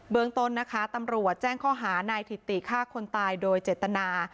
เมืองต้นนะคะตำรวจแจ้งข้อหานายถิติฆ่าคนตายโดยเจตนา